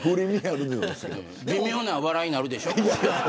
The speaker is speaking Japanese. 微妙な笑いになるでしょ。